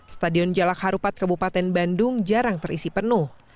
stadion jalak harupat kabupaten bandung jarang terisi penuh